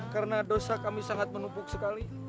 kami ingin bertobat